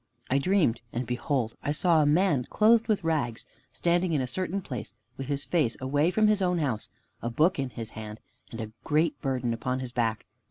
I dreamed, and behold, I saw a man clothed with rags, standing in a certain place, with his face away from his own house, a book in his hand, and a great burden upon his back.